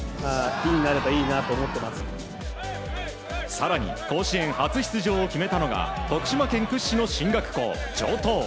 更に甲子園初出場を決めたのが徳島県屈指の進学校、城東。